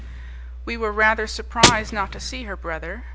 We were rather surprised not to see her brother.